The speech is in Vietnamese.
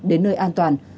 đến nơi an toàn